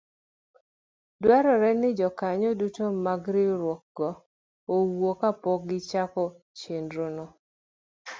dwarore ni jokanyo duto mag riwruogego owuo kapok gichako chenrono.